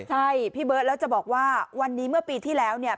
ใช่พี่เบิร์ตแล้วจะบอกว่าวันนี้เมื่อปีที่แล้วเนี่ย